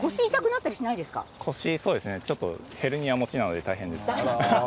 ちょっとヘルニア持ちなので大変です。